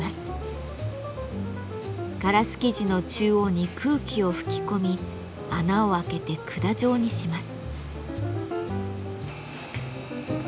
ガラス素地の中央に空気を吹き込み穴を開けて管状にします。